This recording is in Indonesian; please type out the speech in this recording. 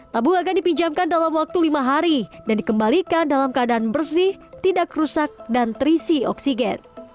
tabung akan dipinjamkan dalam waktu lima hari dan dikembalikan dalam keadaan bersih tidak rusak dan terisi oksigen